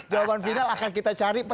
jawaban final akan kita cari